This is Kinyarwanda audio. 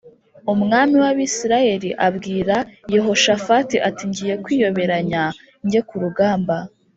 Umwami w’Abisirayeli abwira Yehoshafati ati “Ngiye kwiyoberanya njye ku rugamba